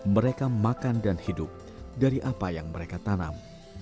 mereka makan dan hidup dari apa yang mereka tanam